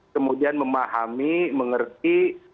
kemudian memahami mengerti